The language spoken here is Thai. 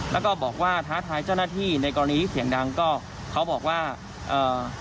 แล้วก็บอกว่าท้าทายเจ้าหน้าที่ในกรณีที่เสียงดังก็เขาบอกว่าเอ่อ